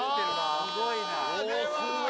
すごいね。